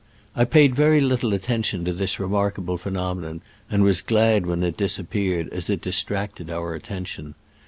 I paid very little attention to this remarkable phenomenon, and was glad when it disappeared, as it distracted our attention.